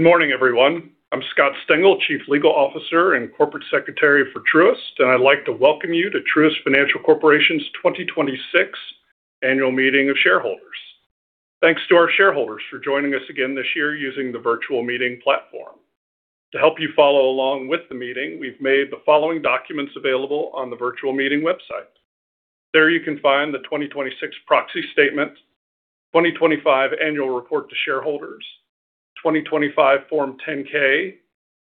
Morning, everyone. I'm Scott Stengel, Chief Legal Officer and Corporate Secretary for Truist, I'd like to welcome you to Truist Financial Corporation's 2026 annual meeting of shareholders. Thanks to our shareholders for joining us again this year using the virtual meeting platform. To help you follow along with the meeting, we've made the following documents available on the virtual meeting website. There you can find the 2026 proxy statement, 2025 annual report to shareholders, 2025 Form 10-K,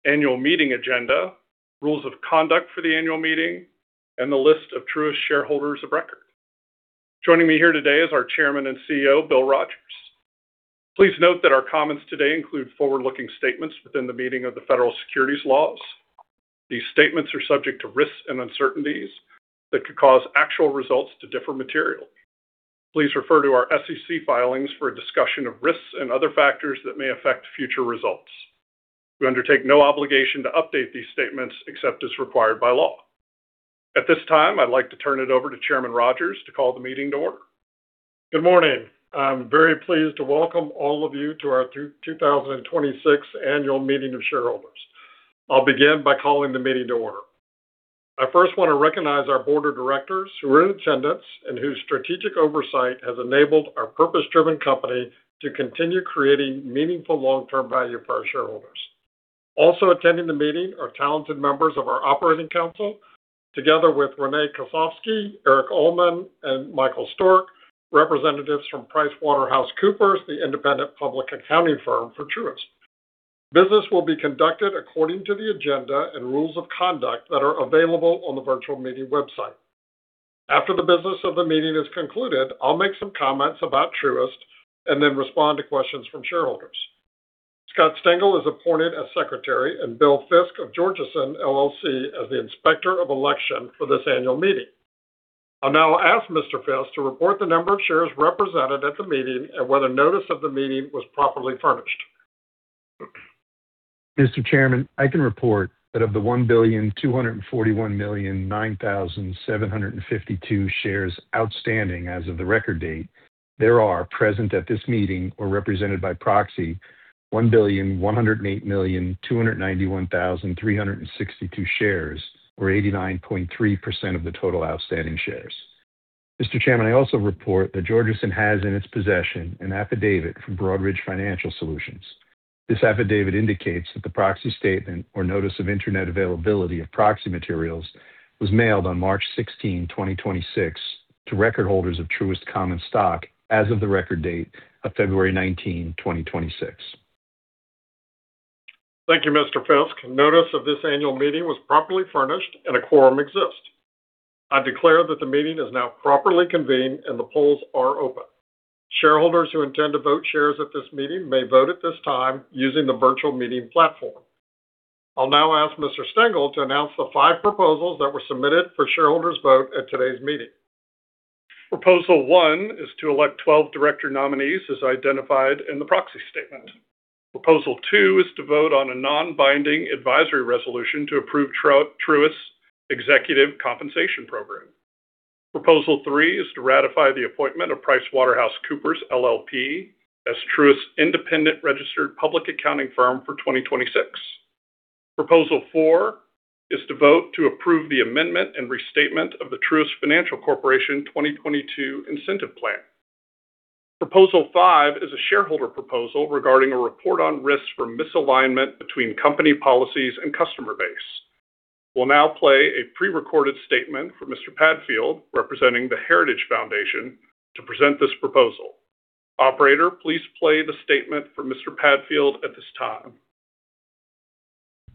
annual meeting agenda, rules of conduct for the annual meeting, and the list of Truist shareholders of record. Joining me here today is our Chairman and CEO, Bill Rogers. Please note that our comments today include forward-looking statements within the meeting of the Federal Securities laws. These statements are subject to risks and uncertainties that could cause actual results to differ materially. Please refer to our SEC filings for a discussion of risks and other factors that may affect future results. We undertake no obligation to update these statements except as required by law. At this time, I'd like to turn it over to Chairman Rogers to call the meeting to order. Good morning. I'm very pleased to welcome all of you to our 2026 annual meeting of shareholders. I'll begin by calling the meeting to order. I first want to recognize our board of directors who are in attendance and whose strategic oversight has enabled our purpose-driven company to continue creating meaningful long-term value for our shareholders. Also attending the meeting are talented members of our operating council together with Renee Kosofsky, Eric Ullman, and Michael Stork, representatives from PricewaterhouseCoopers, the independent public accounting firm for Truist. Business will be conducted according to the agenda and rules of conduct that are available on the virtual meeting website. After the business of the meeting is concluded, I'll make some comments about Truist and then respond to questions from shareholders. Scott Stengel is appointed as secretary and Bill Fiske of Georgeson LLC as the inspector of election for this annual meeting. I'll now ask Mr. Fiske to report the number of shares represented at the meeting and whether notice of the meeting was properly furnished. Mr. Chairman, I can report that of the 1,241,009,752 shares outstanding as of the record date, there are present at this meeting or represented by proxy 1,108,291,362 shares or 89.3% of the total outstanding shares. Mr. Chairman, I also report that Georgeson has in its possession an affidavit from Broadridge Financial Solutions. This affidavit indicates that the proxy statement or notice of internet availability of proxy materials was mailed on March 16th, 2026, to record holders of Truist common stock as of the record date of February 19th, 2026. Thank you, Mr. Fiske. Notice of this annual meeting was properly furnished and a quorum exists. I declare that the meeting is now properly convened, and the polls are open. Shareholders who intend to vote shares at this meeting may vote at this time using the virtual meeting platform. I'll now ask Mr. Stengel to announce the five proposals that were submitted for shareholders vote at today's meeting. Proposal one is to elect 12 director nominees as identified in the proxy statement. Proposal two is to vote on a non-binding advisory resolution to approve Truist's executive compensation program. Proposal three is to ratify the appointment of PricewaterhouseCoopers LLP as Truist's independent registered public accounting firm for 2026. Proposal four is to vote to approve the amendment and restatement of the Truist Financial Corporation 2022 Incentive Plan. Proposal five is a shareholder proposal regarding a report on risks for misalignment between company policies and customer base. We'll now play a pre-recorded statement from Mr. Padfield, representing The Heritage Foundation, to present this proposal. Operator, please play the statement for Mr. Padfield at this time.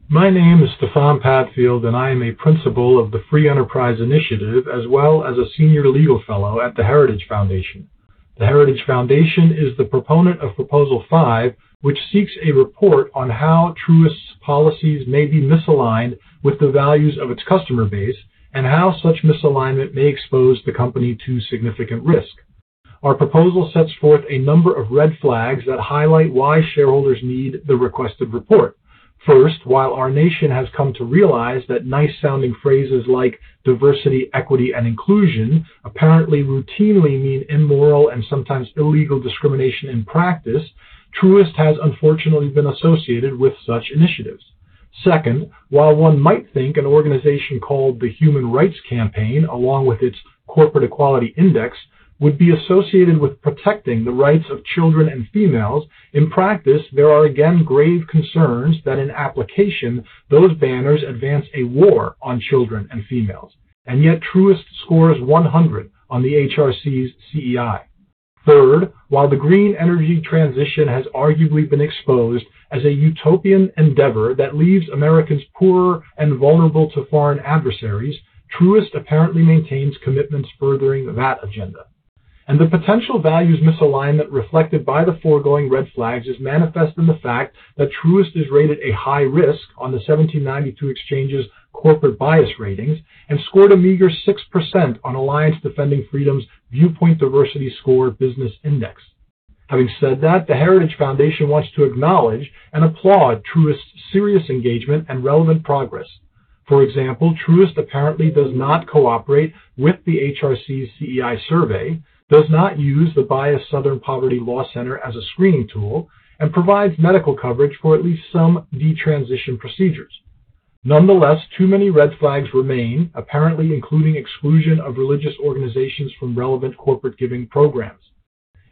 My name is Stefan Padfield, and I am a principal of the Free Enterprise Initiative, as well as a senior legal fellow at the Heritage Foundation. The Heritage Foundation is the proponent of proposal five, which seeks a report on how Truist's policies may be misaligned with the values of its customer base and how such misalignment may expose the company to significant risk. Our proposal sets forth a number of red flags that highlight why shareholders need the requested report. First, while our nation has come to realize that nice-sounding phrases like diversity, equity, and inclusion apparently routinely mean immoral and sometimes illegal discrimination in practice, Truist has unfortunately been associated with such initiatives. Second, while one might think an organization called the Human Rights Campaign, along with its Corporate Equality Index, would be associated with protecting the rights of children and females, in practice, there are again grave concerns that in application, those banners advance a war on children and females. Yet, Truist scores 100 on the HRC's CEI. Third, while the green energy transition has arguably been exposed as a utopian endeavor that leaves Americans poorer and vulnerable to foreign adversaries, Truist apparently maintains commitments furthering that agenda. The potential values misalignment reflected by the foregoing red flags is manifest in the fact that Truist is rated a high risk on the 1792 Exchange's Corporate Bias Ratings and scored a meager 6% on Alliance Defending Freedom's Viewpoint Diversity Score Business Index. Having said that, The Heritage Foundation wants to acknowledge and applaud Truist's serious engagement and relevant progress. For example, Truist apparently does not cooperate with the HRC CEI survey, does not use the biased Southern Poverty Law Center as a screening tool, and provides medical coverage for at least some detransition procedures. Nonetheless, too many red flags remain, apparently including exclusion of religious organizations from relevant corporate giving programs.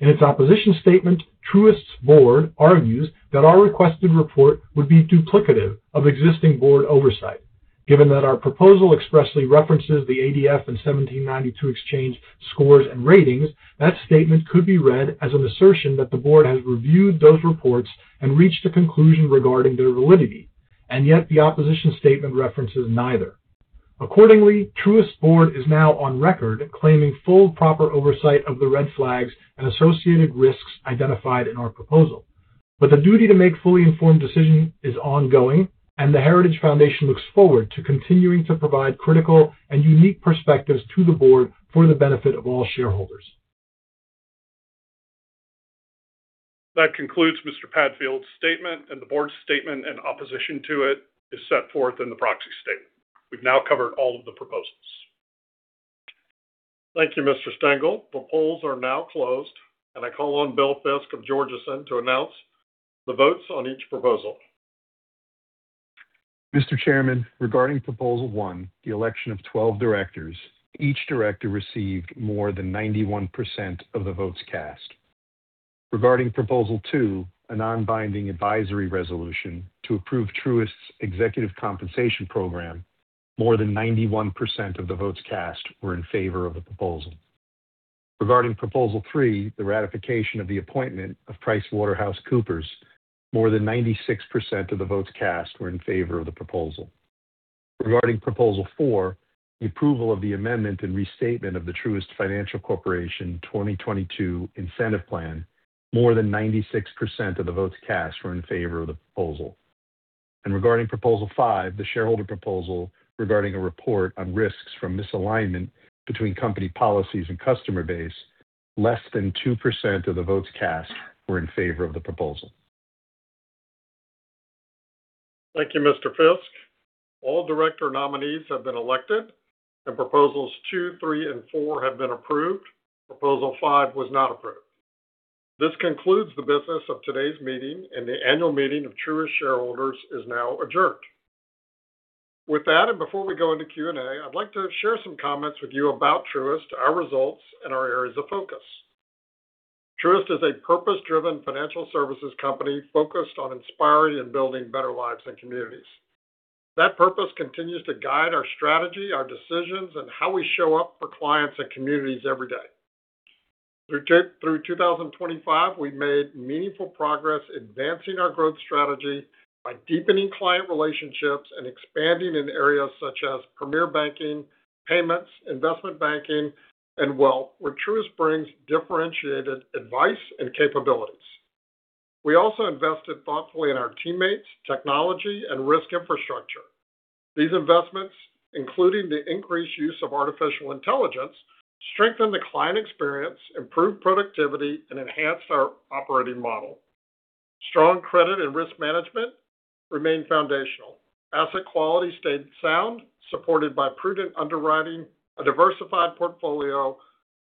In its opposition statement, Truist's board argues that our requested report would be duplicative of existing board oversight. Given that our proposal expressly references the ADF and 1792 Exchange scores and ratings, that statement could be read as an assertion that the board has reviewed those reports and reached a conclusion regarding their validity. Yet, the opposition statement references neither. Accordingly, Truist Board is now on record claiming full proper oversight of the red flags and associated risks identified in our proposal. The duty to make fully informed decision is ongoing, and The Heritage Foundation looks forward to continuing to provide critical and unique perspectives to the Board for the benefit of all shareholders. That concludes Mr. Padfield's statement, and the board's statement and opposition to it is set forth in the proxy statement. We've now covered all of the proposals. Thank you, Mr. Stengel. The polls are now closed, and I call on Bill Fiske of Georgeson to announce the votes on each proposal. Mr. Chairman, regarding proposal one, the election of 12 directors, each director received more than 91% of the votes cast. Regarding proposal two, a non-binding advisory resolution to approve Truist's executive compensation program, more than 91% of the votes cast were in favor of the proposal. Regarding proposal three, the ratification of the appointment of PricewaterhouseCoopers, more than 96% of the votes cast were in favor of the proposal. Regarding proposal four, the approval of the amendment and restatement of the Truist Financial Corporation 2022 Incentive Plan, more than 96% of the votes cast were in favor of the proposal. Regarding proposal five, the shareholder proposal regarding a report on risks from misalignment between company policies and customer base, less than 2% of the votes cast were in favor of the proposal. Thank you, Mr. Fiske. All director nominees have been elected and proposals two, three and four have been approved. Proposal five was not approved. This concludes the business of today's meeting, and the annual meeting of Truist shareholders is now adjourned. With that, and before we go into Q&A, I'd like to share some comments with you about Truist, our results, and our areas of focus. Truist is a purpose-driven financial services company focused on inspiring and building better lives and communities. That purpose continues to guide our strategy, our decisions, and how we show up for clients and communities every day. Through 2025, we've made meaningful progress advancing our growth strategy by deepening client relationships and expanding in areas such as premier banking, payments, investment banking, and wealth, where Truist brings differentiated advice and capabilities. We also invested thoughtfully in our teammates, technology, and risk infrastructure. These investments, including the increased use of artificial intelligence, strengthen the client experience, improve productivity, and enhanced our operating model. Strong credit and risk management remain foundational. Asset quality stayed sound, supported by prudent underwriting, a diversified portfolio,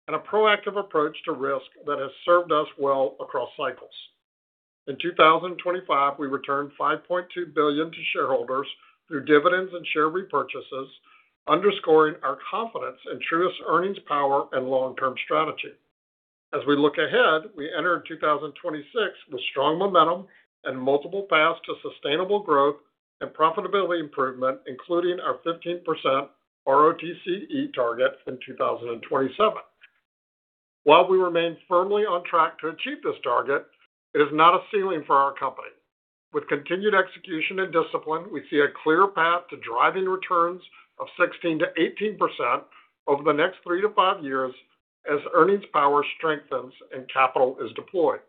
and a proactive approach to risk that has served us well across cycles. In 2025, we returned $5.2 billion to shareholders through dividends and share repurchases, underscoring our confidence in Truist's earnings power and long-term strategy. As we look ahead, we enter 2026 with strong momentum and multiple paths to sustainable growth and profitability improvement, including our 15% ROTCE target in 2027. While we remain firmly on track to achieve this target, it is not a ceiling for our company. With continued execution and discipline, we see a clear path to driving returns of 16%-18% over the next three to five years as earnings power strengthens and capital is deployed.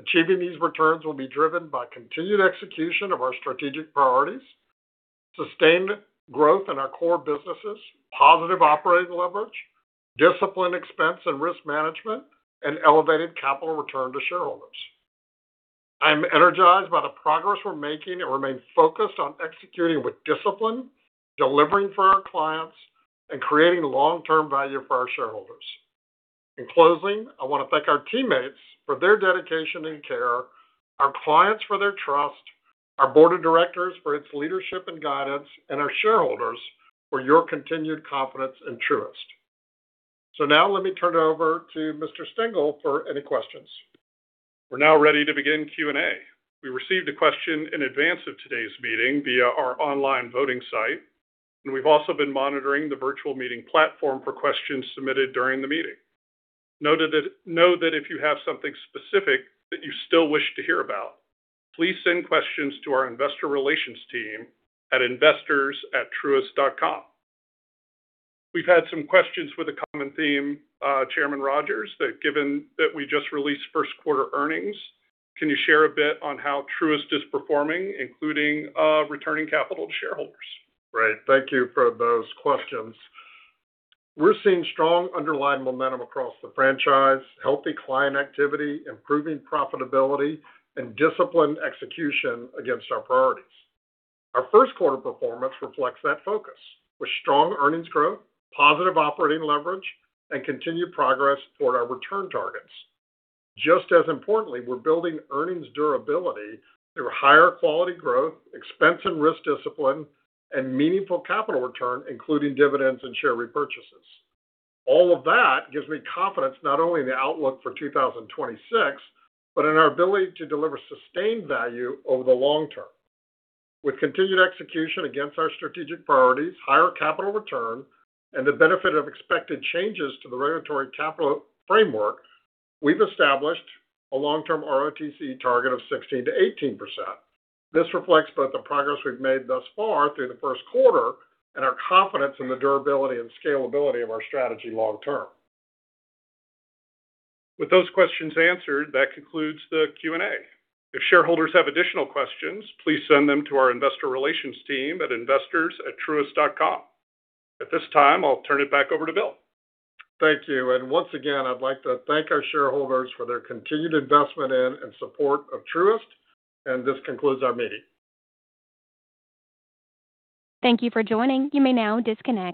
Achieving these returns will be driven by continued execution of our strategic priorities, sustained growth in our core businesses, positive operating leverage, disciplined expense and risk management, and elevated capital return to shareholders. I'm energized by the progress we're making and remain focused on executing with discipline, delivering for our clients, and creating long-term value for our shareholders. In closing, I want to thank our teammates for their dedication and care, our clients for their trust, our board of directors for its leadership and guidance, and our shareholders for your continued confidence in Truist. Now let me turn it over to Mr. Stengel for any questions. We're now ready to begin Q&A. We received a question in advance of today's meeting via our online voting site, and we've also been monitoring the virtual meeting platform for questions submitted during the meeting. Know that if you have something specific that you still wish to hear about, please send questions to our investor relations team at investors@truist.com. We've had some questions with a common theme, Chairman Rogers, that given that we just released Q1 earnings, can you share a bit on how Truist is performing, including returning capital to shareholders? Great. Thank you for those questions. We're seeing strong underlying momentum across the franchise, healthy client activity, improving profitability, and disciplined execution against our priorities. Our Q1 performance reflects that focus, with strong earnings growth, positive operating leverage, and continued progress toward our return targets. Just as importantly, we're building earnings durability through higher quality growth, expense and risk discipline, and meaningful capital return, including dividends and share repurchases. All of that gives me confidence not only in the outlook for 2026, but in our ability to deliver sustained value over the long term. With continued execution against our strategic priorities, higher capital return, and the benefit of expected changes to the regulatory capital framework, we've established a long-term ROTCE target of 16%-18%. This reflects both the progress we've made thus far through the Q1 and our confidence in the durability and scalability of our strategy long term. With those questions answered, that concludes the Q&A. If shareholders have additional questions, please send them to our investor relations team at investors@truist.com. At this time, I'll turn it back over to Bill. Thank you. Once again, I'd like to thank our shareholders for their continued investment in and support of Truist. This concludes our meeting. Thank you for joining. You may now disconnect.